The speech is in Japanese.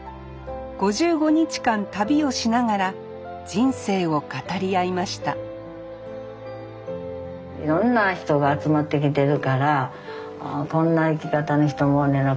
５５日間旅をしながら人生を語り合いましたいろんな人が集まってきてるからこんな生き方の人もおるんやな